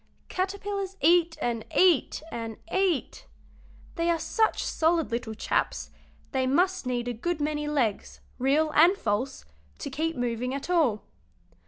Caterpillars eat and eat and eat; they are such solid little chaps they must need a good many legs, real and false, to keep moving at all.